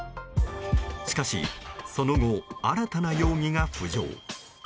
しかしその後新たな容疑が浮上。